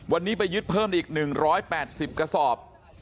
วันนี้ไปยึดเพิ่มอีก๑๘๐กระสอบ